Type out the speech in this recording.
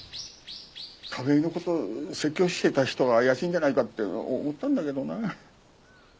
田部井の事説教してた人が怪しいんじゃないかって思ったんだけどな。